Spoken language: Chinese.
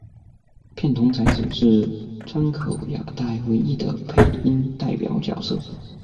片桐彩子是川口雅代唯一的配音代表角色。